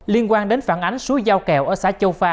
liên quan đến phản ánh số giao kẹo ở xã châu pha